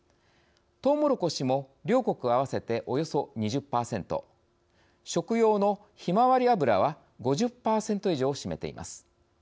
トウモロコシも、両国合わせておよそ２０％食用のひまわり油は５０％以上を占めています。